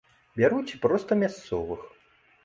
Бяруць і проста мясцовых.